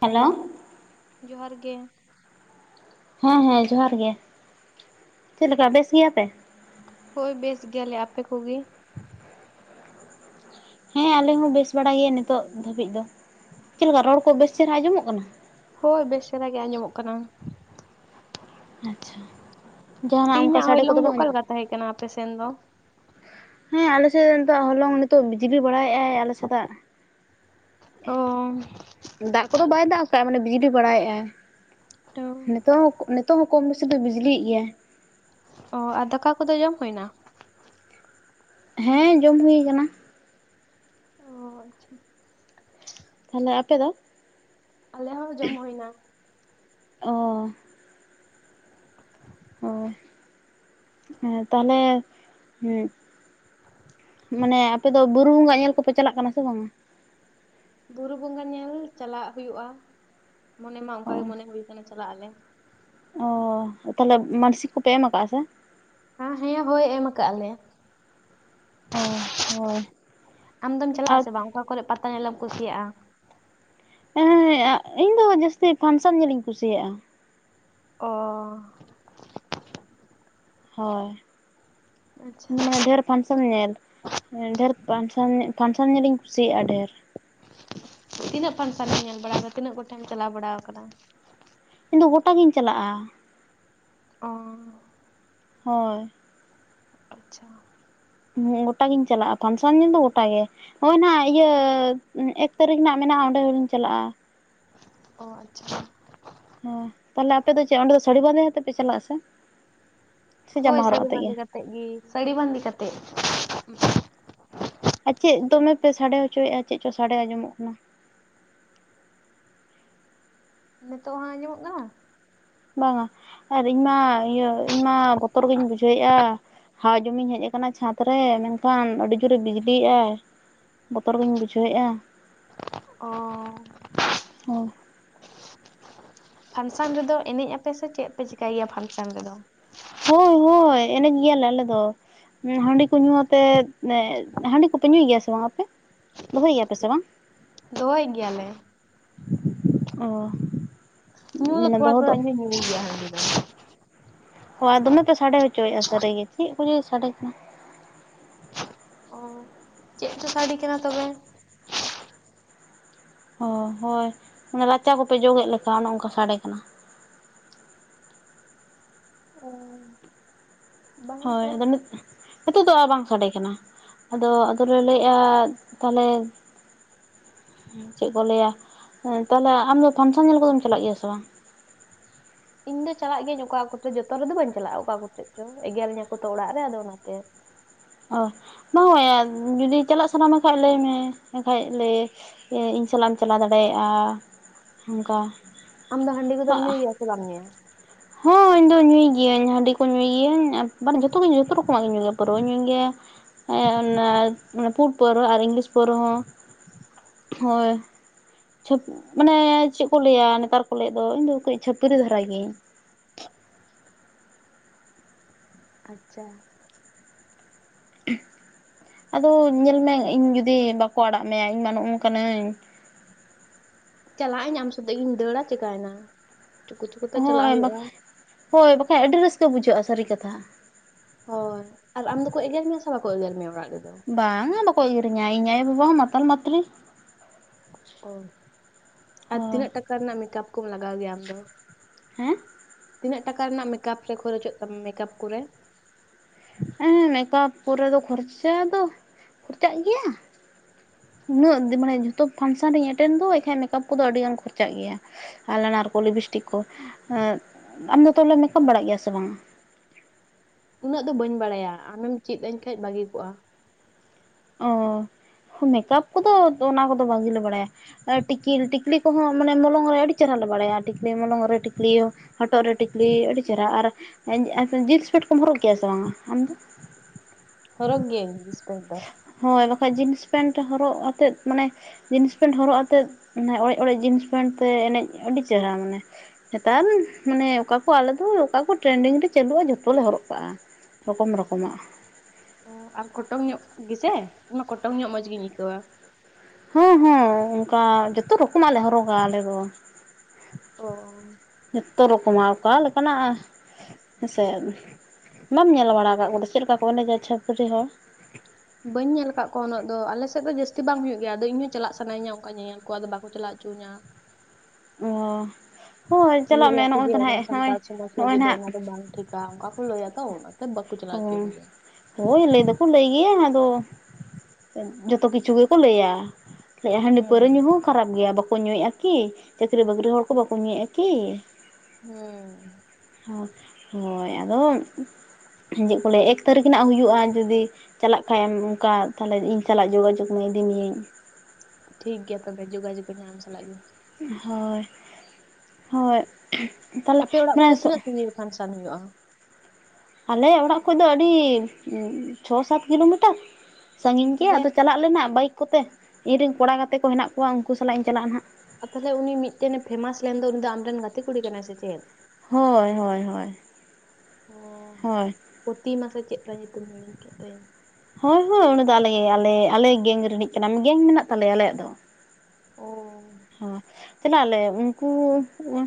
Hello. ᱡᱚᱦᱟᱨ ᱜᱮ᱾ ᱦᱮᱸ ᱦᱮᱸ ᱡᱚᱦᱟᱨ ᱜᱮ, ᱪᱮᱫ ᱞᱮᱠᱟ ᱵᱮᱥ ᱜᱮᱭᱟ ᱯᱮ? ᱦᱳᱭ ᱵᱮᱥ ᱜᱮᱭᱟᱞᱮ ᱾ᱟᱯᱮ ᱠᱚᱜᱮ? ᱦᱮᱸ ᱟᱞᱮ ᱦᱚᱸ ᱵᱮᱥ ᱵᱟᱲᱟ ᱜᱮᱭᱟ ᱱᱤᱛᱚᱜ ᱫᱷᱟᱹᱵᱤᱡ ᱫᱚ, ᱪᱮᱫ ᱞᱮᱠᱟ ᱨᱚᱲ ᱠᱚ ᱵᱮᱥ ᱪᱮᱨᱦᱟ ᱟᱸᱡᱚᱢᱚᱜ ᱠᱟᱱᱟ? ᱦᱳᱭ ᱵᱮᱥ ᱪᱮᱦᱨᱟ ᱜᱮ ᱟᱸᱡᱚᱢᱚᱜ ᱠᱟᱱᱟ᱾ ᱟᱪᱪᱷᱟ ᱡᱟᱦᱟᱱᱟᱜ ᱚᱱᱠᱟ ᱛᱮᱦᱤᱧᱟᱜ ᱥᱟᱰᱮ ᱠᱚᱫᱚ ᱦᱚᱭᱞᱚᱝ ᱫᱚ ᱵᱟᱝ ᱚᱠᱟ ᱟᱸᱡᱚᱢᱚᱜ ᱞᱮᱠᱟ ᱛᱟᱦᱮᱸ ᱠᱟᱱᱟ ᱟᱯᱮ ᱥᱮᱱ ᱫᱚ? ᱦᱮᱸ ᱟᱞᱮ ᱥᱮᱫ ᱱᱤᱛᱚᱜ ᱦᱚᱞᱚᱝ ᱱᱤᱛᱚᱜ ᱵᱤᱡᱽᱞᱤ ᱵᱟᱲᱟᱭᱮᱫ ᱟᱭ ᱟᱞᱮ ᱥᱮᱫᱟᱜ ᱚ ᱫᱟᱜ ᱠᱚᱫᱚ ᱵᱟᱭ ᱫᱟᱜ ᱠᱟᱜᱼᱟ ᱢᱟᱱᱮ ᱵᱤᱡᱽᱞᱤ ᱵᱟᱲᱟᱭᱮᱫᱟᱭ ᱱᱤᱛᱚᱜ ᱦᱚᱸ ᱱᱤᱛᱚᱜ ᱦᱚᱸ ᱠᱚᱢ ᱵᱮᱥᱤ ᱫᱚᱭ ᱵᱤᱡᱽᱞᱤᱭᱮᱫ ᱜᱮᱭᱟᱭ᱾ ᱚ ᱟᱨ ᱫᱟᱠᱟ ᱠᱚᱫᱚ ᱡᱚᱢ ᱦᱩᱭ ᱮᱱᱟ? ᱦᱮᱸ ᱡᱚᱢ ᱦᱩᱭ ᱟᱠᱟᱱᱟ᱾ ᱚ ᱟᱪᱪᱷᱟ᱾ ᱛᱟᱦᱚᱞᱮ ᱟᱯᱮ ᱫᱚ? ᱟᱞᱮ ᱦᱚᱸ ᱡᱚᱢ ᱦᱩᱭ ᱮᱱᱟ᱾ ᱚ [inaudible] ᱚ ᱛᱟᱦᱚᱞᱮ ᱩᱸ ᱢᱟᱱᱮ ᱟᱯᱮ ᱫᱚ ᱵᱩᱨᱩ ᱵᱚᱸᱜᱟ ᱧᱮᱞ ᱠᱚᱯᱮ ᱪᱟᱞᱟᱜ ᱠᱟᱱᱟ ᱥᱮ ᱵᱟᱝᱟ? ᱵᱩᱨᱩ ᱵᱚᱸᱜᱟ ᱧᱮᱞ ᱪᱟᱞᱟᱜ ᱦᱩᱭᱩᱜᱼᱟ ᱢᱚᱱᱮ ᱢᱟ ᱚᱱᱠᱟᱜᱮ ᱚ ᱢᱚᱱᱮ ᱦᱩᱭ ᱠᱟᱱᱟ ᱪᱟᱞᱟᱜ ᱟᱞᱮ᱾ ᱚ ᱛᱟᱦᱚᱞᱮ ᱢᱟᱱᱥᱤᱠ ᱠᱚᱯᱮ ᱮᱢ ᱟᱠᱟᱫ ᱟᱥᱮ? ᱦᱟ ᱦᱮᱸ ᱦᱳᱭ ᱮᱢ ᱟᱠᱟᱜ ᱟᱞᱮ᱾ ᱚ ᱦᱳᱭ ᱟᱢ ᱫᱚᱢ ᱪᱟᱞᱟᱜ ᱟᱨ ᱟᱥᱮ ᱵᱟᱝ, ᱚᱠᱟ ᱠᱚᱨᱮ ᱯᱟᱛᱟ ᱧᱮᱞᱮᱢ ᱠᱩᱥᱤᱭᱟᱜᱼᱟ? ᱦᱮᱸ ᱤᱧ ᱫᱚ ᱡᱟᱹᱥᱛᱤ ᱯᱷᱟᱱᱥᱮᱱ ᱧᱮᱞᱤᱧ ᱠᱩᱥᱤᱭᱟᱜᱼᱟ᱾ ᱚ ᱦᱳᱭ ᱟᱪᱪᱷᱟ ᱢᱟᱱᱮ ᱰᱷᱮᱨ ᱯᱷᱟᱱᱥᱮᱱ ᱧᱮᱞ ᱰᱷᱮᱨ ᱯᱷᱟᱱᱥᱮᱱ ᱯᱷᱟᱱᱥᱚᱱ ᱧᱮᱞᱤᱧ ᱠᱩᱥᱤᱭᱟᱜᱼᱟ ᱰᱷᱮᱨ᱾ ᱛᱤᱱᱟᱹᱜ ᱯᱷᱟᱱᱥᱟᱞᱮᱢ ᱧᱮᱞ ᱵᱟᱲᱟ ᱟᱱᱟᱫᱟ ᱛᱤᱱᱟᱹᱜ ᱜᱚᱴᱷᱮᱱ ᱪᱟᱞᱟᱣ ᱵᱟᱲᱟ ᱟᱠᱟᱱᱟ? ᱤᱧ ᱫᱚ ᱜᱚᱴᱟᱜᱤᱧ ᱪᱟᱞᱟᱜᱼᱟ᱾ ᱚ ᱦᱳᱭ ᱟᱪᱪᱷᱟ ᱜᱚᱴᱟᱜᱤᱧ ᱪᱟᱞᱟᱜᱼᱟ ᱯᱷᱟᱱᱥᱮᱱ ᱧᱮᱞ ᱫᱚ ᱜᱚᱴᱟ ᱜᱮ᱾ ᱱᱚᱜᱼᱚᱭ ᱱᱟᱦᱟᱜ ᱤᱭᱟᱹ ᱮᱠ ᱛᱟᱹᱨᱤᱠᱷ ᱱᱟᱜ ᱢᱮᱱᱟᱜᱼᱟ ᱚᱸᱰᱮ ᱦᱚᱸᱞᱤᱧ ᱪᱟᱞᱟᱜᱼᱟ᱾ ᱚ ᱟᱪᱪᱷᱟ ᱦᱚᱭ ᱛᱟᱦᱞᱮ ᱟᱯᱮ ᱫᱚ ᱪᱮᱫ ᱚᱸᱰᱮ ᱫᱚ ᱥᱟᱹᱲᱤ ᱵᱟᱸᱫᱮ ᱟᱛᱮᱫ ᱯᱮ ᱪᱟᱞᱟᱜ ᱟᱥᱮ? ᱦᱳᱭ ᱥᱟᱹᱲᱤ ᱵᱟᱸᱫᱮ ᱠᱟᱛᱮᱫ ᱜᱮ ᱥᱟᱹᱲᱤ ᱵᱟᱸᱫᱮ ᱠᱟᱛᱮᱫ᱾ ᱟᱨ ᱪᱮᱫ ᱫᱚᱢᱮ ᱯᱮ ᱥᱟᱰᱮ ᱦᱚᱪᱚᱭᱮᱫᱼᱟ ᱪᱮᱫ ᱪᱚ ᱥᱟᱰᱮ ᱟᱸᱡᱚᱢᱚᱜ ᱠᱟᱱᱟ? ᱱᱤᱛᱚᱜ ᱦᱚᱸ ᱟᱸᱡᱚᱢᱚᱜ ᱠᱟᱱᱟ? ᱵᱟᱝᱟ ᱟᱨ ᱤᱧᱢᱟ ᱤᱭᱟᱹ ᱤᱧᱢᱟ ᱵᱚᱛᱚᱨ ᱜᱤᱧ ᱵᱩᱡᱷᱟᱹᱣᱮᱜᱼᱟ᱾ ᱦᱟᱣᱟ ᱡᱚᱢᱤᱧ ᱦᱮᱡ ᱟᱠᱟᱱᱟ ᱪᱷᱟᱸᱫᱽ ᱨᱮ ᱢᱮᱱᱠᱷᱟᱱ ᱟᱹᱰᱤ ᱡᱳᱨᱮ ᱵᱤᱡᱽᱞᱤᱜᱼᱟᱭ᱾ ᱵᱚᱛᱚᱨ ᱜᱤᱧ ᱵᱩᱡᱷᱟᱹᱣᱮᱫᱼᱟ᱾ ᱚ ᱦᱳᱭ ᱯᱷᱟᱱᱥᱟᱱ ᱨᱮᱫᱚ ᱮᱱᱮᱡ ᱟᱯᱮ ᱥᱮ ᱪᱮᱫ ᱯᱮ ᱪᱤᱠᱟᱭ ᱜᱮᱭᱟ ᱯᱷᱟᱱᱥᱟᱱ ᱨᱮᱫᱚ? ᱦᱳᱭ ᱦᱳᱭ ᱮᱱᱮᱡ ᱜᱮᱭᱟᱞᱮ ᱟᱞᱮ ᱫᱚ᱾ ᱦᱟᱸᱰᱤ ᱠᱚ ᱧᱩ ᱟᱛᱮᱫ ᱦᱟᱸᱰᱤ ᱠᱚᱯᱮ ᱧᱩᱭ ᱜᱮᱭᱟ ᱥᱮ ᱵᱟᱝ ᱟᱯᱮ ᱫᱚᱦᱚᱭ ᱜᱮᱭᱟ ᱯᱮ ᱥᱮ ᱵᱟᱝ ᱫᱚᱦᱚᱭ ᱜᱮᱭᱟᱞᱮ ᱚ ᱧᱩ ᱫᱚ ᱢᱟᱱᱮ ᱛᱷᱚᱲᱟ ᱫᱚᱦᱚ ᱛᱷᱚᱲᱟ ᱤᱧ ᱦᱚᱧ ᱧᱩᱭ ᱜᱮᱭᱟ ᱦᱟᱸᱰᱤ ᱫᱚ ᱚ ᱟᱨ ᱫᱚᱢᱮ ᱯᱮ ᱥᱟᱰᱮ ᱦᱚᱪᱚᱭᱮᱜ-ᱟ ᱥᱟᱨᱤᱜᱮ ᱪᱮᱫ ᱠᱚᱪᱚ ᱥᱟᱰᱮ ᱠᱟᱱᱟ ᱚ ᱪᱮᱫ ᱪᱚ ᱥᱟᱰᱤ ᱠᱟᱱᱟ ᱛᱚᱵᱮ ᱚ ᱦᱚᱭ ᱢᱟᱱᱮ ᱨᱟᱪᱟ ᱠᱚᱯᱮ ᱡᱚᱜᱮᱫ ᱞᱮᱠᱟ ᱚᱱᱮ ᱚᱱᱠᱟ ᱥᱟᱰᱮ ᱠᱟᱱᱟ ᱚ ᱵᱟᱝᱟ ᱦᱚᱭ ᱛᱚ ᱟᱫᱚ ᱱᱤᱛ ᱱᱤᱛᱳᱜ ᱫᱚ ᱟᱨ ᱵᱟᱝ ᱥᱟᱰᱮ ᱠᱟᱱᱟ ᱟᱫᱚ ᱟᱫᱚᱞᱮ ᱞᱟᱹᱭᱮᱜ-ᱟ ᱛᱟᱞᱦᱮ ᱪᱮᱫ ᱠᱚ ᱞᱟᱹᱭᱟ ᱛᱟᱞᱦᱮ ᱟᱢ ᱫᱚ ᱯᱷᱟᱱᱥᱟᱱ ᱧᱮᱞ ᱠᱚᱫᱚᱢ ᱪᱟᱞᱟᱜ ᱜᱮᱭᱟ ᱥᱮ ᱵᱟᱝ ᱤᱧ ᱫᱚ ᱪᱟᱞᱟᱜ ᱜᱤᱭᱟᱹᱧ ᱚᱠᱟ ᱚᱠᱛᱮ ᱡᱚᱛᱚ ᱨᱮᱫᱚ ᱵᱟᱹᱧ ᱪᱟᱞᱟᱜ-ᱟ ᱚᱠᱟ ᱠᱚᱥᱮᱡ ᱪᱚ ᱮᱜᱮᱨ ᱤᱧᱟ ᱠᱚ ᱛᱚ ᱚᱲᱟᱜ ᱨᱮ ᱟᱫᱚ ᱚᱱᱟᱛᱮ ᱚ ᱵᱟᱝᱟ ᱡᱩᱫᱤ ᱪᱟᱞᱟᱜ ᱥᱟᱱᱟᱢᱮ ᱠᱷᱟᱡ ᱞᱟᱹᱭᱢᱮ ᱮᱱᱠᱷᱟᱡ ᱞᱮ ᱤᱭᱟᱹ ᱤᱧ ᱥᱟᱞᱟᱜ ᱮᱢ ᱪᱟᱞᱟᱣ ᱫᱟᱲᱮᱭᱟᱜ-ᱟ ᱚᱝᱠᱟ ᱟᱢ ᱫᱚ ᱦᱟᱸᱰᱤ ᱠᱚᱫᱚᱢ ᱧᱩᱭᱟ ᱥᱮ ᱵᱟᱢ ᱧᱩᱭᱟ ᱦᱚᱸ ᱤᱧᱫᱚ ᱧᱩᱭ ᱜᱤᱭᱟᱹᱧ ᱦᱟᱸᱰᱤ ᱠᱚ ᱧᱩᱭ ᱜᱤᱭᱟᱹᱧ ᱢᱟᱱᱮ ᱡᱚᱛᱚ ᱜᱮ ᱡᱚᱛᱚ ᱨᱚᱠᱚᱢᱟᱜ ᱜᱮᱧ ᱧᱩᱭ ᱜᱮᱭᱟ ᱯᱟᱹᱨᱣᱟᱹᱧ ᱧᱩᱭ ᱜᱮᱭᱟ ᱮᱜ ᱚᱱᱟ ᱯᱩᱰ ᱯᱟᱹᱨᱣᱟᱹ ᱟᱨ ᱤᱝᱞᱤᱥ ᱯᱟᱹᱨᱣᱟᱹ ᱦᱚᱸ ᱦᱳᱭ ᱪᱷᱟᱹᱯ ᱢᱟᱱᱮ ᱪᱮᱫ ᱠᱚ ᱞᱟᱹᱭᱟ ᱱᱮᱛᱟᱨ ᱠᱚ ᱞᱟᱹᱭᱮᱫ ᱫᱚ ᱤᱧ ᱫᱚ ᱠᱟᱹᱡ ᱪᱷᱟᱹᱯᱨᱤ ᱫᱷᱟᱨᱟ ᱜᱤᱭᱟᱹᱧ ᱟᱪᱪᱷᱟ ᱟᱫᱚ ᱧᱮᱞ ᱢᱮ ᱤᱧ ᱡᱩᱫᱤ ᱵᱟᱠᱚ ᱟᱲᱟᱜ ᱢᱮᱭᱟ ᱤᱧ ᱢᱟ ᱱᱚᱜ-ᱚ ᱱᱚᱝᱠᱟᱱᱟᱹᱧ ᱪᱟᱞᱟᱜ ᱟᱹᱧ ᱟᱢ ᱥᱟᱛᱮᱜ ᱜᱤᱧ ᱫᱟᱹᱲᱟ ᱪᱤᱠᱟᱭᱱᱟ ᱦᱚᱭ ᱵᱟ ᱦᱳᱭ ᱵᱟᱠᱷᱟᱡ ᱟᱹᱰᱤ ᱨᱟᱹᱥᱠᱟᱹ ᱵᱩᱡᱷᱟᱹᱜ-ᱟ ᱥᱟᱹᱨᱤ ᱠᱟᱛᱷᱟ ᱦᱚᱭ ᱟᱨ ᱟᱢ ᱫᱚᱠᱩ ᱮᱜᱮᱨ ᱢᱮᱭᱟ ᱥᱮ ᱵᱟᱠᱚ ᱮᱜᱮᱨ ᱢᱮᱭᱟ ᱩᱲᱟᱜ ᱨᱮᱫᱚ ᱵᱟᱝᱟ ᱵᱟᱠᱚ ᱮᱜᱮᱨᱤᱧᱟ ᱤᱧ ᱟᱭᱳ ᱵᱟᱵᱟ ᱦᱚᱸ ᱢᱟᱛᱟᱞ ᱢᱟᱛᱨᱤ ᱚ ᱟᱨ ᱦᱳᱭ ᱛᱤᱱᱟᱹᱜ ᱴᱟᱠᱟ ᱨᱮᱱᱟᱜ ᱢᱮᱠᱟᱯ ᱠᱚᱢ ᱞᱟᱜᱟᱣ ᱜᱮᱭᱟ ᱟᱢ ᱫᱚ ᱦᱮᱸ ᱛᱤᱱᱟᱹᱜ ᱴᱟᱠᱟ ᱨᱮᱱᱟᱜ ᱢᱮᱠᱟᱯ ᱨᱮ ᱠᱷᱚᱨᱚᱪᱚᱜ ᱛᱟᱢᱟ ᱢᱮᱠᱟᱯ ᱠᱩᱨᱮ ᱦᱮᱸ ᱢᱮᱠᱟᱯ ᱠᱚᱨᱮ ᱫᱚ ᱠᱷᱚᱨᱪᱟ ᱫᱚ ᱠᱷᱚᱨᱪᱟᱜ ᱜᱮᱭᱟ ᱩᱱᱟᱹᱜ ᱢᱟᱱᱮ ᱡᱚᱛᱚ ᱯᱷᱟᱱᱥᱟᱱ ᱨᱮᱧ ᱮᱴᱮᱱᱰ ᱫᱚ ᱮᱱᱠᱷᱟᱡ ᱢᱮᱠᱟᱯ ᱠᱚᱫᱚ ᱟᱹᱰᱤ ᱜᱟᱱ ᱠᱷᱚᱨᱪᱟᱜ ᱜᱮᱭᱟ ᱟᱭᱞᱟᱱᱟᱨ ᱠᱚ ᱞᱤᱵᱤᱥᱴᱤᱠ ᱠᱚ ᱟᱢ ᱫᱚ ᱮᱸᱜ ᱛᱟᱞᱦᱮᱢ ᱢᱮᱠᱟᱯ ᱵᱟᱲᱟᱜ ᱜᱮᱭᱟ ᱥᱮ ᱵᱟᱝ ᱩᱱᱟᱹᱜ ᱫᱚ ᱵᱟᱹᱧ ᱵᱟᱲᱟᱭᱟ ᱟᱢᱮᱢ ᱪᱤᱫ ᱟᱹᱧ ᱠᱷᱟᱡ ᱵᱷᱟᱹᱜᱤ ᱠᱚᱜ-ᱟ ᱚ ᱢᱮᱠᱟᱯ ᱠᱚᱫᱚ ᱚᱱᱟ ᱠᱚᱫᱚ ᱵᱷᱟᱜᱤ ᱞᱮ ᱵᱟᱲᱟᱭᱟ ᱴᱤᱠᱤᱞ ᱴᱤᱠᱞᱤ ᱠᱚᱦᱚᱸ ᱢᱟᱱᱮ ᱢᱚᱞᱚᱝ ᱨᱮ ᱟᱹᱰᱤ ᱪᱮᱦᱨᱟ ᱞᱮ ᱵᱟᱲᱟᱭᱟ ᱴᱤᱠᱞᱤ ᱢᱚᱞᱚᱝ ᱨᱮ ᱴᱤᱠᱞᱤ ᱤᱭᱟᱹ ᱦᱚᱴᱚᱜ ᱨᱮ ᱴᱤᱠᱞᱤ ᱟᱹᱰᱤ ᱪᱮᱦᱨᱟ ᱟᱨ ᱡᱤᱱᱥ ᱯᱮᱱᱴ ᱠᱚᱢ ᱦᱚᱨᱚᱜ ᱜᱮᱭᱟ ᱥᱮ ᱵᱟᱝᱟ ᱟᱢᱫᱚ ᱦᱚᱨᱚᱜ ᱜᱤᱭᱟᱹᱧ ᱡᱤᱥ ᱯᱮᱱᱴ ᱫᱚ ᱦᱳᱭ ᱵᱟᱠᱷᱟᱡ ᱡᱤᱱᱥ ᱯᱮᱱᱴ ᱦᱚᱨᱚᱜ ᱟᱛᱮᱫ ᱢᱟᱱᱮ ᱡᱤᱱᱥ ᱯᱮᱱᱴ ᱦᱚᱨᱚᱜ ᱟᱛᱮᱫ ᱚᱱᱮ ᱚᱲᱮᱡ ᱚᱲᱮᱡ ᱡᱤᱱᱥ ᱯᱮᱱᱴ ᱛᱮ ᱮᱱᱮᱡ ᱟᱰᱤ ᱪᱮᱦᱨᱟ ᱢᱟᱱᱮ ᱱᱮᱛᱟᱨ ᱢᱟᱱᱮ ᱚᱠᱟ ᱠᱚ ᱟᱞᱮ ᱫᱚ ᱚᱠᱟ ᱠᱚ ᱴᱨᱮᱱᱰᱤᱝ ᱨᱮ ᱪᱟᱹᱞᱩᱜ-ᱟ ᱡᱷᱚᱛᱚ ᱞᱮ ᱦᱚᱨᱚᱜ ᱠᱟᱜ-ᱟ ᱨᱚᱠᱚᱢ ᱨᱚᱠᱚᱢᱟᱜ ᱚ ᱟᱨ ᱠᱚᱴᱚᱝ ᱧᱚᱜ ᱜᱤᱥᱮ ᱤᱧ ᱢᱟ ᱠᱚᱴᱚᱝ ᱧᱚᱜ ᱢᱚᱡᱽ ᱜᱤᱧ ᱟᱹᱭᱠᱟᱹᱣᱟ ᱦᱚᱸ ᱦᱚᱸ ᱩᱝᱠᱟ ᱡᱚᱛᱚ ᱨᱚᱠᱚᱢᱟᱜ ᱞᱮ ᱦᱚᱨᱚᱜᱟ ᱟᱞᱮ ᱫᱚ ᱚ ᱡᱚᱛᱛᱚ ᱨᱚᱠᱚᱢᱟᱜ ᱩᱠᱟ ᱞᱮᱠᱟᱱᱟᱜ ᱦᱮᱸ ᱥᱮ ᱾ᱵᱟᱢ ᱧᱮᱞ ᱵᱟᱲᱟ ᱠᱟᱜ ᱠᱚᱛᱮ ᱪᱮᱫ ᱞᱮᱠᱟ ᱠᱚ ᱮᱱᱮᱡᱟ ᱪᱷᱟᱹᱯᱨᱤ ᱦᱚᱲ? ᱵᱟᱹᱧ ᱧᱮᱞ ᱠᱟᱜ ᱠᱚᱣᱟ ᱩᱱᱟᱹᱜ ᱫᱚ ᱟᱞᱮ ᱥᱮᱫ ᱫᱚ ᱡᱟᱹᱥᱛᱤ ᱵᱟᱝ ᱦᱩᱭᱩᱜ ᱜᱮᱭᱟ᱾ ᱟᱫᱚ ᱤᱧ ᱦᱚᱸ ᱪᱟᱞᱟᱜ ᱥᱟᱱᱟᱧᱟ ᱚᱝᱠᱟ ᱧᱮᱧᱮᱞ ᱠᱚ ᱟᱫᱚ ᱵᱟᱠᱚ ᱪᱟᱞᱟᱜ ᱪᱩᱟᱹᱧᱟ᱾ ᱚ ᱦᱳᱭ ᱪᱟᱞᱟᱜ ᱢᱮ ᱞᱟᱹᱭᱟᱠᱚ ᱱᱚᱜ-ᱚᱭ ᱡᱮ ᱛᱚ ᱚᱱᱟ ᱱᱟᱦᱟᱜ ᱱᱚᱜ-ᱚᱭ ᱥᱟᱱᱛᱟᱲ ᱥᱚᱢᱟᱡᱽ ᱱᱚᱜ-ᱚᱭ ᱞᱟᱹᱜᱤᱫ ᱫᱚ ᱱᱟᱜ, ᱚᱱᱟ ᱫᱚ ᱵᱟᱝ ᱴᱷᱤᱠᱟ ᱚᱱᱠᱟ ᱠᱚ ᱞᱟᱹᱭᱟ ᱛᱚ ᱚᱱᱟᱛᱮ ᱵᱟᱹᱠ ᱚ ᱦᱳᱭ ᱞᱟᱹᱭ ᱫᱚᱠᱚ ᱞᱟᱹᱭ ᱜᱮᱭᱟ ᱟᱫᱚ ᱡᱚᱛᱚ ᱠᱤᱪᱷᱩ ᱜᱮᱠᱚ ᱞᱟᱹᱭᱟ, ᱞᱟᱹᱭᱟ ᱦᱟᱺᱰᱤ ᱯᱟᱹᱣᱨᱟᱹ ᱦᱩᱸ᱾ ᱧᱩᱦᱚᱸ ᱠᱷᱟᱨᱟᱯ ᱜᱮᱭᱟ ᱵᱟᱠᱚ ᱧᱩᱭᱮᱜ-ᱟ ᱠᱤ ᱪᱟᱹᱠᱨᱤ ᱵᱟᱹᱠᱨᱤ ᱦᱚᱲ ᱠᱚ ᱵᱟᱠᱚ ᱧᱩᱭᱮᱫ-ᱟ ᱠᱤ? ᱦᱮᱸ ᱦᱳᱭ ᱦᱚᱭ ᱟᱫᱚ ᱪᱮᱫ ᱠᱚ ᱞᱟᱹᱭᱟ ᱮᱠ ᱛᱟᱹᱨᱤᱠᱷ ᱨᱮᱱᱟᱜ ᱦᱩᱭᱩᱜ-ᱟ ᱡᱩᱫᱤ ᱪᱟᱞᱟᱜ ᱠᱷᱟᱡ ᱮᱢ ᱚᱱᱠᱟ ᱛᱟᱦᱚᱞᱮ ᱤᱧ ᱥᱟᱞᱟᱜ ᱡᱳᱜᱟᱡᱳᱜ ᱢᱮ ᱤᱫᱤᱢᱤᱭᱟᱹᱧ᱾ ᱴᱷᱤᱠᱜᱮᱭᱟ ᱛᱚᱵᱮ ᱡᱳᱜᱟᱡᱳᱜᱽ ᱤᱧ ᱦᱟᱜ ᱟᱢ ᱥᱟᱞᱟᱜ ᱜᱮ᱾ ᱦᱳᱭ ᱦᱳᱭ ᱛᱟᱦᱚᱞᱮ ᱟᱯᱮ ᱚᱲᱟᱜ ᱠᱷᱚᱡ ᱢᱟᱱᱮ ᱫᱚ ᱛᱤᱱᱟᱹᱜ ᱥᱟᱺᱜᱤᱧ ᱨᱮ ᱯᱷᱟᱱᱥᱚᱱ ᱦᱩᱭᱩᱜ-ᱟ᱾ ᱟᱞᱮ ᱚᱲᱟᱜ ᱠᱷᱚᱡ ᱫᱚ ᱟᱹᱰᱤ ᱪᱷᱚ ᱥᱟᱛ ᱠᱤᱞᱳᱢᱤᱴᱟᱨ ᱥᱟᱺᱜᱤᱧ ᱜᱮᱭᱟ᱾ ᱛᱟᱦᱚᱞᱮ ᱟᱫᱚ ᱪᱟᱞᱟᱜ ᱟᱞᱮᱱᱟ ᱵᱟᱭᱤᱠ ᱠᱚᱛᱮ ᱤᱧᱨᱮᱱ ᱠᱚᱲᱟ ᱜᱟᱛᱮ ᱠᱚ ᱦᱮᱱᱟᱜ ᱠᱚᱣᱟ ᱩᱱᱠᱩ ᱥᱟᱞᱟᱜ ᱤᱧ ᱪᱟᱞᱟᱜ-ᱟ ᱱᱟᱦᱟᱜ᱾ ᱟᱨ ᱛᱟᱦᱚᱞᱮ ᱩᱱᱤ ᱢᱤᱫᱴᱮᱱᱮ ᱯᱷᱮᱢᱟᱥ ᱞᱮᱱ ᱫᱚ ᱩᱱᱤ ᱫᱚ ᱟᱢᱨᱮᱱ ᱜᱟᱛᱮ ᱠᱩᱲᱤ ᱠᱟᱱᱟᱭ ᱥᱮ ᱪᱮᱫ? ᱦᱳᱭ ᱦᱳᱭ ᱦᱳᱭ ᱚ ᱦᱳᱭ᱾ ᱯᱨᱚᱛᱤᱢᱟ ᱥᱮ ᱪᱮᱫ ᱛᱟᱭ ᱧᱩᱛᱩᱢ ᱦᱤᱲᱤᱧ ᱠᱮᱫ ᱛᱟᱭᱟᱹᱧ᱾ ᱦᱳᱭ ᱦᱳᱭ ᱚᱱᱟ ᱫᱚ ᱟᱞᱮ ᱟᱞᱮ ᱟᱞᱮ ᱜᱮᱝ ᱨᱤᱱᱤᱡ ᱠᱟᱱᱟᱭ ᱜᱮᱝ ᱢᱮᱱᱟᱜ ᱛᱟᱞᱮᱭᱟ ᱟᱞᱮᱭᱟᱜ ᱫᱚ᱾ ᱚᱻ ᱦᱚ ᱪᱟᱯᱟᱜ ᱟᱞᱮ ᱩᱝᱠᱩ ᱩᱝ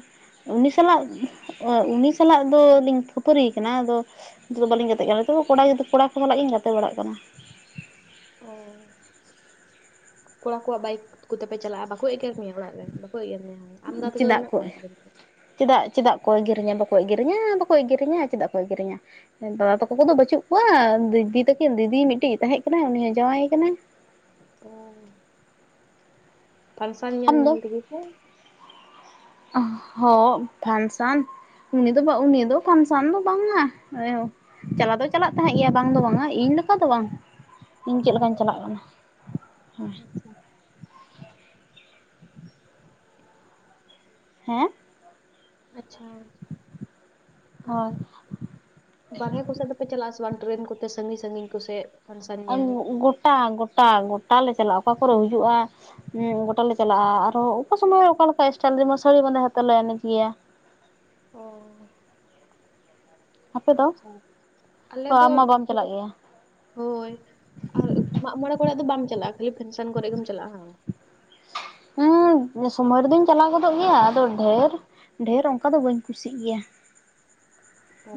ᱩᱱᱤ ᱥᱟᱞᱟᱜ ᱩᱱᱤ ᱥᱟᱞᱟᱜ ᱫᱚᱞᱤᱧ ᱠᱷᱟᱹᱯᱟᱹᱨᱤᱭ ᱠᱟᱱᱟ ᱟᱫᱚ ᱱᱤᱛᱚᱜ ᱫᱚ ᱵᱟᱹᱞᱤᱧ ᱜᱟᱛᱮᱜ ᱠᱟᱱᱟ᱾ ᱱᱤᱛᱚᱜ ᱫᱚ ᱠᱚᱲᱟ ᱜᱤᱫᱽᱨᱟᱹ ᱠᱚᱲᱟ ᱠᱚ ᱥᱟᱞᱟᱜ ᱤᱧ ᱜᱟᱛᱮ ᱵᱟᱲᱟᱜ ᱠᱟᱱᱟ᱾ ᱚ [inaudible] ᱠᱚᱲᱟ ᱠᱚᱣᱟᱜ ᱵᱟᱭᱤᱠ ᱠᱚᱛᱮᱯᱮ ᱪᱟᱞᱟᱜ-ᱟ ᱵᱟᱠᱚ ᱮᱜᱮᱨ ᱢᱮᱭᱟ ᱚᱲᱟᱜ ᱨᱮ ᱵᱟᱠᱚ ᱮᱜᱮᱨ ᱢᱮᱭᱟ ᱦᱟᱸᱜ? ᱪᱮᱫᱟᱜ ᱠᱚ ᱪᱮᱫᱟᱜ ᱪᱮᱫᱟᱜ ᱠᱚ ᱮᱜᱮᱨᱤᱧᱟ? ᱵᱟᱠᱚ ᱮᱜᱮᱨᱤᱧᱟᱹ ᱵᱟᱠᱚ ᱮᱜᱮᱨᱤᱧᱟᱹ ᱪᱮᱫᱟᱜ ᱠᱚ ᱮᱜᱮᱨᱤᱧᱟᱹ? ᱮ ᱫᱟᱫᱟ ᱛᱟᱠᱚ ᱠᱚᱫᱚ ᱵᱟᱹᱪᱩᱜ ᱠᱚᱣᱟ, ᱫᱤᱫᱤ ᱛᱟᱹᱠᱤᱱ ᱫᱤᱫᱤ ᱢᱤᱫᱴᱤᱡ ᱛᱟᱦᱮᱸᱡ ᱠᱟᱱᱟᱭ ᱩᱱᱤ ᱦᱚᱸ ᱡᱟᱶᱟᱭ ᱠᱟᱱᱟ᱾ ᱚ ᱯᱷᱟᱱᱥᱚᱱ ᱧᱮᱞ ᱧᱮᱞ ᱛᱮᱜᱮ ᱥᱮ? ᱦᱚᱸᱜ ᱯᱷᱟᱱᱥᱚᱱ ᱩᱱᱤ ᱫᱚ ᱵᱟᱝ ᱩᱱᱤ ᱫᱚ ᱯᱷᱟᱥᱚᱱ ᱫᱚ ᱵᱟᱝᱟ᱾ ᱪᱟᱞᱟᱣ ᱫᱚ ᱪᱟᱞᱟᱜ ᱛᱟᱦᱮᱸᱡ ᱜᱮᱭᱟ ᱵᱟᱝ ᱫᱚ ᱵᱟᱝᱟ ᱤᱧ ᱞᱮᱠᱟ ᱫᱚ ᱵᱟᱝ᱾ ᱤᱧ ᱪᱮᱫ ᱚ ᱞᱮᱠᱟᱧ ᱪᱟᱞᱟᱜ ᱠᱟᱱᱟ ᱦᱮᱸ ᱾ ᱟᱪᱪᱷᱟ ᱦᱮᱸ, ᱟᱪᱪᱷᱟ, ᱦᱳᱭ ᱟᱨ ᱵᱟᱨᱦᱮ ᱠᱚ ᱥᱮᱫ ᱫᱚᱯᱮ ᱪᱟᱞᱟᱜ-ᱟ ᱥᱮ ᱵᱟᱝ? ᱴᱨᱮᱱ ᱠᱚᱛᱮ ᱥᱟᱺᱜᱤᱧ ᱥᱟᱺᱜᱤᱧ ᱠᱚᱥᱮᱫ? ᱯᱷᱟᱱᱥᱚᱱ ᱟᱜ ᱧᱮᱞ? ᱜᱚᱴᱟ ᱜᱚᱴᱟ ᱜᱚᱴᱟ ᱞᱮ ᱪᱟᱞᱟᱜ-ᱟ, ᱚᱠᱟ ᱠᱚᱨᱮ ᱦᱩᱭᱩᱜ-ᱟ᱾ ᱜᱚᱴᱟ ᱞᱮ ᱪᱟᱞᱟᱜᱼᱟ, ᱟᱨᱦᱚᱸ ᱚᱠᱟ ᱥᱚᱢᱚᱭ ᱚᱠᱟ ᱞᱮᱠᱟ ᱥᱴᱟᱭᱤᱞ ᱡᱮᱢᱚᱱ ᱥᱟᱹᱲᱤ ᱵᱟᱸᱫᱮ ᱠᱟᱛᱮ ᱞᱮ ᱮᱱᱮᱡ ᱜᱮᱭᱟ᱾ ᱚᱻ ᱟᱯᱮ ᱫᱚ ᱟᱪᱪᱷᱟ, ᱚ ᱟᱞᱮ ᱫᱚ ᱟᱢ ᱢᱟ ᱵᱟᱢ ᱪᱟᱞᱟᱜ ᱜᱮᱭᱟ ᱦᱳᱭ ᱟᱨ ᱢᱟᱜᱢᱚᱬᱮ ᱠᱚᱨᱮ ᱫᱚ ᱵᱟᱢ ᱪᱟᱞᱟᱜᱼᱟ, ᱠᱷᱟᱞᱤ ᱯᱷᱮᱱᱥᱚᱱ ᱠᱚᱨᱮ ᱜᱮᱢ ᱪᱟᱞᱟᱜᱼᱟ ᱦᱟᱝ? ᱦᱩᱸ ᱥᱚᱢᱚᱭ ᱨᱮᱫᱚᱧ ᱪᱟᱞᱟᱣ ᱜᱚᱫᱚᱜ ᱜᱮᱭᱟ᱾ ᱟᱫᱚ ᱰᱷᱮᱨ ᱰᱷᱮᱨ ᱚᱱᱠᱟ ᱫᱚ ᱵᱟᱹᱧ ᱠᱩᱥᱤᱜ ᱜᱮᱭᱟ᱾ ᱚ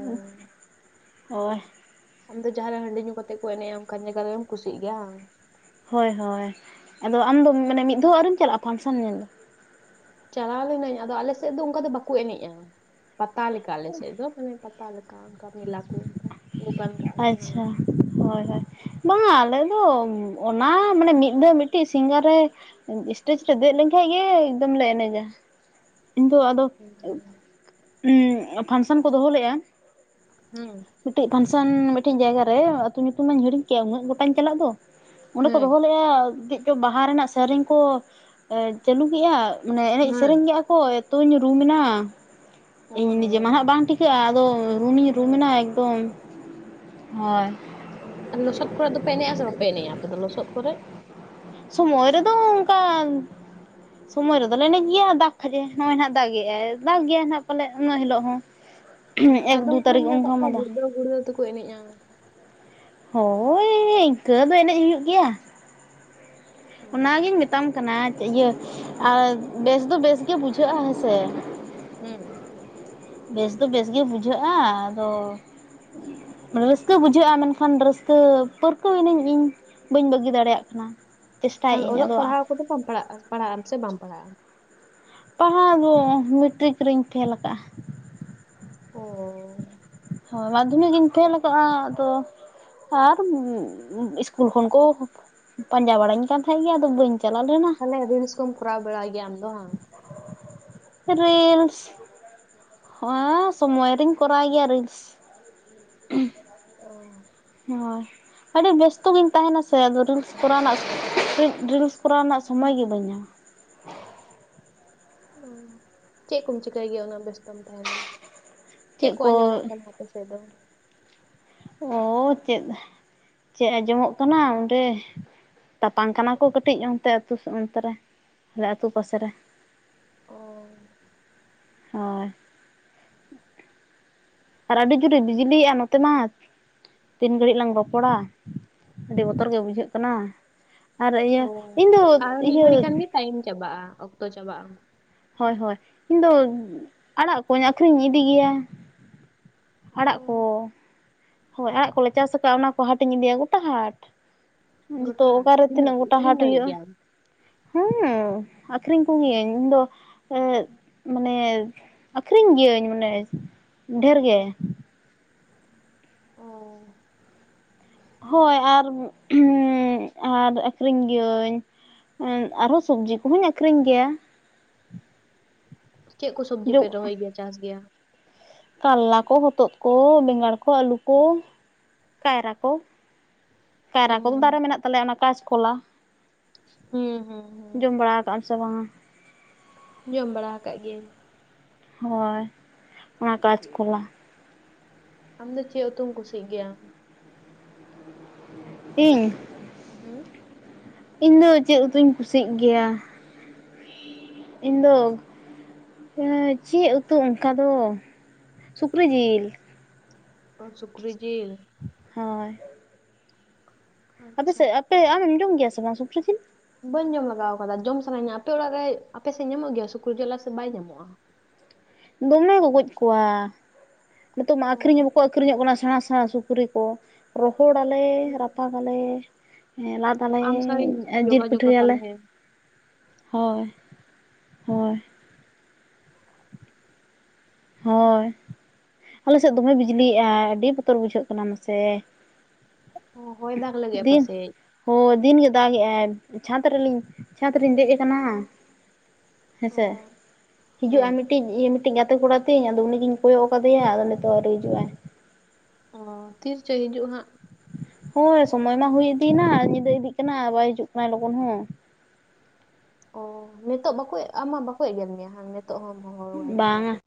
ᱦᱳᱭ, ᱟᱢ ᱫᱚ ᱡᱟᱦᱟᱸᱨᱮ ᱦᱟᱺᱰᱤ ᱧᱩ ᱠᱟᱛᱮᱫ ᱠᱚ ᱮᱱᱮᱡᱼᱟ, ᱚᱱᱠᱟᱱ ᱡᱟᱭᱜᱟ ᱨᱮᱢ ᱠᱩᱥᱤᱜ ᱜᱮᱭᱟ ᱦᱟᱝ? ᱦᱳᱭ ᱦᱳᱭ, ᱟᱫᱚ ᱟᱢᱫᱚ ᱢᱟᱱᱮ ᱢᱤᱫ ᱫᱷᱚᱢ ᱦᱚᱸ ᱟᱹᱣᱨᱤᱢ ᱪᱟᱞᱟᱜᱼᱟ ᱯᱷᱟᱱᱥᱚᱱ ᱧᱮᱞ ᱫᱚ? ᱪᱟᱞᱟᱣ ᱞᱤᱱᱟᱹᱧ ᱟᱫᱚ ᱟᱞᱮ ᱥᱮᱫ ᱫᱚ ᱚᱱᱠᱟ ᱫᱚ ᱵᱟᱠᱚ ᱮᱱᱮᱡ-ᱟ ᱯᱟᱛᱟ ᱞᱮᱠ ᱞᱮᱠᱟ ᱟᱞᱮ ᱥᱮᱫ ᱫᱚ ᱢᱟᱱᱮ ᱯᱟᱛᱟ ᱞᱮᱠᱟ ᱚᱱᱠᱟ ᱢᱮᱞᱟ ᱠᱚ ᱚᱱᱠᱟ, ᱫᱚᱠᱟᱱ ᱠᱟᱜᱼᱟ ᱠᱚ ᱦᱟᱱᱟ ᱟᱪᱪᱷᱟ ᱦᱳᱭ ᱦᱳᱭ ᱾ ᱵᱟᱝ ᱟᱞᱮᱫᱚ ᱚᱱᱟ ᱢᱟᱱᱮ ᱢᱤᱫ ᱰᱟᱹᱨ ᱢᱤᱫᱴᱤᱡ ᱥᱤᱝᱜᱟ ᱨᱮ ᱥᱮᱴᱮᱡ ᱨᱮ ᱫᱮᱡ ᱞᱮᱱᱠᱟᱡ ᱜᱮ ᱮᱠᱫᱚᱢ ᱞᱮ ᱮᱱᱮᱡᱟ ᱾ ᱤᱧ ᱫᱚ ᱟᱫᱚ ᱩᱸ ᱯᱷᱟᱱᱥᱚᱱ ᱠᱚ ᱫᱚᱦᱚ ᱞᱮ-ᱟ, ᱦᱩᱸ ᱾ ᱢᱤᱫᱴᱮᱱ ᱯᱷᱟᱱᱥᱚᱱ ᱢᱤᱫᱴᱮᱱ ᱡᱟᱭᱜᱟ ᱨᱮ ᱟᱹᱛᱩ ᱧᱩᱛᱩᱢ ᱢᱟᱧ ᱦᱤᱲᱤᱧ ᱠᱮᱜ-ᱟ ᱩᱱᱟᱹᱜ ᱜᱚᱴᱟᱧ ᱪᱟᱞᱟᱜ ᱫᱚ ᱾ ᱚᱸᱰᱮ ᱠᱚ ᱦᱮᱸ ᱫᱚᱦᱚ ᱞᱮᱫᱼᱟ ᱪᱮᱫ ᱪᱚᱝ ᱵᱟᱦᱟ ᱨᱮᱱᱟᱜ ᱥᱮᱨᱮᱧ ᱠᱚ ᱪᱟᱹᱞᱩ ᱠᱮᱜᱼᱟ ᱢᱟᱱᱮ ᱮᱱᱮᱡ ᱦᱮᱸ ᱥᱮᱨᱮᱧ ᱠᱚ ᱮᱸᱛᱚᱧ ᱨᱩᱢ ᱱᱟ ᱚ ᱱᱤᱡᱮ ᱢᱟ ᱦᱟᱸᱜ ᱦᱚᱸ ᱵᱟᱝ ᱴᱷᱤᱠᱟᱹᱜᱼᱟ ᱟᱫᱚ ᱨᱩᱢ ᱤᱧ ᱨᱩᱢ ᱦᱮᱸ ᱮᱱᱟ ᱮᱠᱫᱚᱢ ᱦᱳᱭ ᱾ ᱟᱨ ᱞᱚᱥᱚᱫ ᱠᱚᱨᱮ ᱫᱚᱯᱮ ᱮᱱᱮᱡᱼᱟ ᱥᱮ ᱵᱟᱯᱮ ᱮᱱᱮᱡᱼᱟ ᱟᱯᱮ ᱫᱚ ᱞᱚᱥᱚᱫ ᱠᱚᱨᱮ? ᱥᱩᱢᱳᱭ ᱨᱮ ᱫᱚ ᱚᱱᱠᱟ ᱥᱳᱢᱳᱭ ᱨᱮ ᱫᱚ ᱞᱮ ᱮᱱᱮᱡ ᱜᱮᱭᱟ ᱫᱟᱜ ᱠᱷᱟᱡ ᱮ ᱱᱚᱜᱼᱚᱭ ᱦᱟᱸᱜ ᱫᱟᱜ ᱮᱜᱼᱟᱭ ᱫᱟᱜ ᱜᱮᱭᱟᱭ ᱦᱟᱸᱜ ᱯᱟᱞᱮ ᱩᱱᱟᱹ ᱦᱤᱞᱳᱜ ᱦᱚᱸ ᱾ [unintelligible] ᱦᱮᱸ ᱟᱫᱚᱢ ᱠᱚ ᱦᱚᱸᱧ ᱧᱮᱞ ᱟᱠᱟᱫ ᱠᱚᱣᱟ ᱜᱩᱲᱫᱟᱹᱣ ᱜᱩᱲᱫᱟᱹᱣ ᱛᱮᱠᱚ ᱮᱱᱮᱡᱼᱟ ᱾ ᱦᱳᱭ ᱤᱱᱠᱟᱹ ᱫᱚ ᱮᱱᱮᱡ ᱦᱩᱭᱩᱜ ᱜᱮᱭᱟ ᱾ ᱚᱱᱟ ᱜᱤᱧ ᱢᱮᱛᱟᱢ ᱠᱟᱱᱟ ᱤᱭᱟᱹ ᱟᱨ ᱵᱮᱥ ᱫᱚ ᱵᱮᱥ ᱜᱮ ᱵᱩᱡᱷᱟᱹᱜᱼᱟ ᱦᱮᱸᱥᱮ ᱾ ᱦᱩᱸ ᱵᱮᱥ ᱫᱚ ᱵᱮᱥ ᱜᱮ ᱵᱩᱡᱷᱟᱹᱜᱼᱟ ᱟᱫᱚ ᱨᱟᱹᱥᱠᱟᱹ ᱵᱩᱡᱷᱟᱹᱜᱼᱟ ᱢᱮᱱᱠᱷᱟᱱ ᱨᱟᱹᱥᱠᱟᱹ ᱯᱟᱹᱨᱠᱟᱹᱣ ᱮᱱᱟᱹᱧ ᱤᱧ, ᱵᱟᱹᱧ ᱵᱟᱹᱜᱤ ᱫᱟᱲᱮᱭᱼᱟᱜ ᱠᱟᱱᱟ ᱾ ᱟᱨ ᱚᱞᱚᱜ ᱯᱟᱲᱦᱟᱣ ᱠᱚᱫᱚ ᱵᱟᱢ ᱯᱟᱲᱟᱜᱼᱟ ᱯᱟᱲᱦᱟᱜ ᱟᱢ ᱥᱮ ᱵᱟᱢ ᱯᱟᱲᱦᱟᱜᱼᱟ? ᱯᱟᱲᱦᱟᱣ ᱫᱚ ᱢᱮᱴᱨᱤᱠ ᱨᱮᱧ ᱯᱷᱮᱞ ᱟᱠᱟᱜᱼᱟ ᱾ ᱚᱻ ᱦᱳᱭ ᱢᱟᱫᱽᱫᱷᱚᱢᱤᱠ ᱤᱧ ᱯᱷᱮᱞ ᱟᱠᱟᱜᱼᱟ ᱟᱫᱚ ᱟᱨ ᱤᱥᱠᱩᱞ ᱠᱷᱚᱱ ᱠᱚ ᱯᱟᱸᱡᱟ ᱵᱟᱸᱲᱟᱧ ᱠᱟᱱ ᱛᱟᱦᱮᱫ ᱜᱮ ᱟᱫᱚ ᱵᱟᱹᱧ ᱪᱟᱞᱟᱣ ᱞᱮᱱᱟ ᱛᱟᱦᱞᱮ ᱨᱤᱞᱥ ᱠᱚᱢ ᱠᱚᱨᱟᱣ ᱵᱟᱲᱟᱭ ᱜᱮᱭᱟ ᱟᱢ ᱫᱚ ᱵᱟᱝ? ᱨᱤᱞᱥ ᱦᱳᱭ ᱥᱚᱢᱚᱭ ᱨᱮᱧ ᱠᱚᱨᱟᱣ ᱜᱮᱭᱟ ᱨᱤᱞᱥ, ᱚᱻ ᱦᱳᱭ ᱟᱹᱰᱤ ᱵᱮᱥᱛᱚ ᱜᱤᱧ ᱛᱟᱦᱮᱱᱟ ᱥᱮ ᱟᱫᱚ ᱨᱤᱞᱥ ᱠᱚᱨᱟᱣ ᱨᱮᱱᱟᱜ [unintelligible] ᱨᱤᱞᱥ ᱠᱚᱨᱟᱣ ᱨᱮᱱᱟᱜ ᱥᱚᱢᱚᱭ ᱜᱮ ᱵᱟᱹᱧ ᱧᱟᱢᱟ ᱾ ᱚ ᱪᱮᱫ ᱠᱚᱢ ᱪᱤᱠᱟᱹᱭ ᱜᱮᱭᱟ ᱩᱱᱟᱹᱜ ᱵᱮᱥᱛᱚᱢ ᱛᱟᱦᱮᱱᱟ? ᱪᱮᱫ ᱠᱚ ᱟᱸᱡᱚᱢ ᱚᱜ ᱠᱟᱱᱟ? [unintelligible] ᱚ ᱪᱮᱫ ᱪᱮᱫ ᱟᱸᱡᱚᱢ ᱚᱜ ᱠᱟᱱᱟ ᱚᱸᱰᱮ ᱛᱟᱯᱟᱢ ᱠᱟᱱᱟ ᱠᱚ ᱠᱟᱹᱴᱤᱡ ᱚᱱᱛᱮ ᱟᱹᱛᱩ ᱚᱱᱛᱮ ᱨᱮ ᱟᱞᱮ ᱟᱹᱛᱩ ᱯᱟᱥᱮ ᱨᱮ ᱾ ᱚᱻ ᱦᱳᱭ ᱾ ᱟᱨ ᱟᱹᱰᱤ ᱡᱳᱨ ᱮ ᱵᱤᱡᱽᱞᱤ ᱮᱜᱼᱟ ᱱᱚᱛᱮ ᱢᱟ, ᱛᱤᱱ ᱜᱷᱟᱹᱲᱤᱡ ᱞᱟᱝ ᱨᱚᱯᱚᱲᱟ ᱟᱹᱰᱤ ᱵᱚᱛᱚᱨ ᱜᱮ ᱵᱩᱡᱷᱟᱹᱜ ᱠᱟᱱᱟ ᱾ ᱟᱨ ᱚ ᱤᱭᱟᱹ ᱤᱧ ᱫᱚ ᱟᱨ ᱢᱤᱫ ᱤᱭᱟᱹ ᱜᱷᱟᱹᱲᱤ ᱠᱷᱟᱱ ᱜᱮ ᱴᱟᱭᱤᱢ ᱪᱟᱵᱟᱜᱼᱟ ᱚᱠᱛᱚ ᱪᱟᱵᱟᱜᱼᱟ ᱾ ᱦᱳᱭ ᱦᱳᱭ ᱤᱧ ᱫᱚ ᱟᱸᱲᱟᱜ ᱠᱚᱸᱧ ᱟᱹᱠᱷᱨᱤᱧ ᱤᱫᱤ ᱜᱮᱭᱟ ᱾ ᱚ ᱟᱸᱲᱟᱜ ᱠᱚ ᱦᱳᱭ ᱟᱸᱲᱟᱜ ᱠᱚ ᱞᱮ ᱪᱟᱥ ᱟᱠᱟᱜᱼᱟ ᱚᱱᱟ ᱠᱚ ᱦᱚᱴᱟ ᱤᱧ ᱤᱫᱤᱭᱟ ᱜᱚᱴᱟ ᱦᱟᱸᱴᱼᱼ ᱡᱷᱚᱛᱚ ᱜᱚᱴᱟ ᱚᱠᱟ ᱨᱮ ᱛᱤᱱᱟᱹᱜ ᱜᱚᱴᱟ ᱟᱹᱠᱷᱨᱤᱧ ᱦᱟᱸᱴ ᱫᱟᱲᱮᱜ ᱦᱩᱭᱩᱜᱼᱟ᱾ ᱜᱮᱭᱟᱢ? ᱦᱮᱸ ᱟᱹᱠᱷᱨᱤᱧ ᱠᱚ ᱜᱮᱭᱟᱹᱧ ᱤᱧ ᱫᱚ ᱢᱟᱱᱮ ᱟᱹᱠᱷᱨᱤᱧ ᱜᱤᱭᱟᱹᱧ ᱢᱟᱱᱮ ᱰᱷᱮᱨ ᱜᱮ ᱚ ᱦᱳᱭ ᱟᱨ ᱟᱨ ᱟᱹᱠᱷᱨᱤᱧ ᱜᱤᱭᱟᱹᱧ ᱟᱨ ᱦᱚᱸ ᱥᱚᱵᱡᱤ ᱠᱚᱦᱚᱧ ᱟᱹᱠᱷᱨᱤᱧ ᱜᱮᱭᱟ᱾ ᱪᱮᱫ ᱠᱚ ᱥᱚᱵᱡᱤ ᱯᱮ ᱨᱚᱦᱚᱭ ᱜᱮᱭᱟ ᱪᱟᱥ ᱜᱮᱭᱟ᱾ ᱠᱟᱞᱞᱟ ᱠᱚ ᱦᱚᱛᱚᱫ ᱠᱚ ᱵᱮᱸᱜᱟᱲ ᱠᱚ ᱟᱹᱞᱩ ᱠᱚ ᱠᱟᱭᱨᱟ ᱠᱚ᱾ ᱚ ᱠᱟᱭᱨᱟ ᱠᱚᱫᱚ ᱫᱟᱨᱮ ᱦᱩᱸ ᱢᱮᱱᱟᱜ ᱛᱟᱞᱮᱭᱟ ᱚᱱᱟ ᱠᱟᱸᱪ ᱠᱚᱞᱟ᱾ ᱦᱩᱸ ᱦᱩᱸ ᱡᱚᱢ ᱵᱟᱲᱟ ᱠᱟᱸᱜ ᱟᱢ ᱥᱮ ᱵᱟᱝ-ᱟ᱾ ᱡᱚᱢ ᱵᱟᱲᱟ ᱟᱠᱟᱜ ᱜᱤᱭᱟᱹᱧ ᱦᱳᱭ ᱚᱱᱟ ᱠᱟᱸᱪ ᱠᱚᱞᱟ᱾ ᱟᱢ ᱫᱚ ᱪᱮᱫ ᱩᱛᱩᱢ ᱠᱩᱥᱤᱜ ᱜᱮᱭᱟ? ᱤᱧ, ᱦᱩᱸ ᱤᱧ ᱫᱚ ᱪᱮᱫ ᱩᱛᱩᱧ ᱠᱩᱥᱤᱜ ᱜᱮᱭᱟ᱾ ᱤᱧᱫᱚ ᱪᱮᱫ ᱩᱛᱩ ᱚᱱᱠᱟ ᱫᱚ, ᱥᱩᱠᱨᱤ ᱡᱤᱞ᱾ ᱚ ᱥᱩᱠᱨᱤ ᱡᱤᱞ᱾ ᱦᱚᱸᱭ᱾ ᱟᱪᱪᱷᱟ᱾ ᱟᱯᱮᱥᱮᱫ ᱟᱯᱮ ᱟᱢᱮᱢ ᱡᱚᱢ ᱜᱮᱭᱟ ᱥᱮ ᱵᱟᱝ ᱥᱩᱠᱨᱤ ᱡᱤᱞ? ᱵᱟᱹᱧ ᱡᱚᱢ ᱞᱮᱟᱜᱟᱣ ᱟᱠᱟᱫᱟ᱾ ᱡᱚᱢ ᱥᱟᱱᱟᱧᱟ, ᱟᱯᱮ ᱚᱲᱟᱜ ᱨᱮ ᱟᱯᱮ ᱥᱮᱫ ᱧᱟᱢᱚᱜ ᱜᱮᱭᱟ ᱥᱩᱠᱨᱤ ᱡᱮᱞ ᱥᱮ ᱵᱟᱭ ᱧᱟᱢᱚᱜᱼᱟ᱾ ᱫᱚᱢᱮ ᱠᱚ ᱜᱚᱡ ᱠᱚᱣᱟ, ᱱᱤᱛᱚᱜ ᱢᱟ ᱚ ᱟᱠᱷᱨᱤᱧ ᱦᱚᱸ ᱵᱟᱠ ᱟᱹᱠᱷᱨᱤᱧᱚᱜ ᱠᱟᱱᱟ ᱥᱮᱬᱟ ᱥᱮᱬᱟ ᱥᱩᱠᱨᱤ ᱠᱚ ᱨᱚᱦᱚᱲᱟᱞᱮ, ᱨᱟᱯᱟᱜᱟᱞᱮ ᱞᱟᱫ ᱞᱟᱫᱟᱞᱮ, ᱟᱢ ᱥᱟᱶᱤᱧ ᱡᱤᱞ ᱡᱳᱜᱟᱡᱳᱜᱟ ᱯᱤᱴᱷᱟᱹᱭᱟᱞᱮ ᱛᱟᱞᱦᱮ ᱦᱳᱭ ᱦᱳᱭ᱾ ᱦᱳᱭ᱾ ᱟᱞᱮ ᱥᱮᱫ ᱫᱚᱢᱮ ᱵᱤᱡᱽᱞᱤᱭᱮᱜ ᱟᱭ ᱟᱹᱰᱤ ᱵᱚᱛᱚᱨ ᱵᱩᱡᱷᱟᱹᱜ ᱠᱟᱱᱟ ᱢᱟᱥᱮ᱾ ᱚ ᱦᱚᱭ ᱫᱟᱜᱽ ᱞᱟᱹᱜᱤᱫᱼᱟ ᱫᱤᱱ ᱯᱟᱥᱮᱡ᱾ ᱦᱳᱭ ᱫᱤᱱᱜᱮ ᱫᱟᱜᱮᱜᱟᱭ ᱪᱷᱟᱸᱫᱽ ᱨᱮᱞᱤᱧ ᱪᱷᱟᱸᱫᱽ ᱨᱤᱧ ᱫᱮᱡ ᱟᱠᱟᱱᱟ᱾ ᱦᱮᱸᱥᱮ ᱦᱤᱡᱩᱜᱼᱟ ᱦᱮᱸ ᱢᱤᱫᱴᱤᱡ ᱢᱤᱫᱴᱤᱡ ᱜᱟᱛᱮ ᱠᱚᱲᱟ᱾ ᱛᱤᱧ ᱟᱫᱚ ᱩᱱᱤᱜᱤᱧ ᱠᱚᱭᱚᱜ ᱟᱠᱟᱫᱮᱭᱟ ᱟᱫᱚ ᱱᱤᱛᱚᱜ ᱦᱚᱸ ᱟᱣᱨᱤ ᱦᱤᱡᱩᱜᱼᱟᱭ᱾ ᱚ ᱛᱤ ᱨᱮᱪᱚᱭ ᱦᱤᱡᱩᱜ ᱦᱟᱸᱜ᱾ ᱦᱳᱭ ᱥᱚᱢᱚᱭ ᱢᱟ ᱦᱩᱭ ᱤᱫᱤᱭᱮᱱᱟ ᱟᱨ ᱧᱤᱫᱟᱹ ᱤᱫᱤᱜ ᱠᱟᱱᱟ ᱵᱟᱭ ᱦᱤᱡᱩᱜ ᱠᱟᱱᱟ ᱞᱚᱜᱚᱱ ᱦᱚᱸ᱾ ᱚ ᱱᱤᱛᱚᱜ ᱵᱟᱠᱚ ᱟᱢ ᱢᱟ ᱵᱟᱠᱚ ᱮᱜᱮᱨ ᱢᱮᱭᱟ ᱱᱤᱛᱚᱜ ᱦᱚᱢ ᱦᱚᱦᱚᱣᱟᱭ ᱠᱟᱱᱟ ᱵᱟᱝᱟ ᱜᱟᱛᱮ᱾